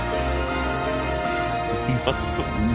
うまそう。